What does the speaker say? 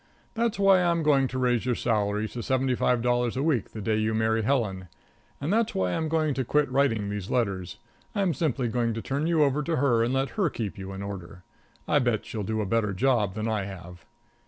That's why I'm going to raise your salary to seventy five dollars a week the day you marry Helen, and that's why I'm going to quit writing these letters I'm simply going to turn you over to her and let her keep you in order. I bet she'll do a better job than I have.